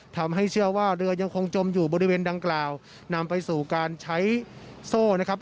ทำให้เชื่อว่าเรือยังคงจมอยู่บริเวณดังกล่าวนำไปสู่การใช้โซ่นะครับ